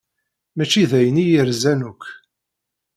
Mačči d ayen i y-irzan akk.